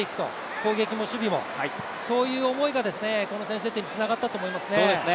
攻撃も守備も、そういう思いが、この先制点につながったと思いますね。